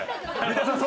三田さん。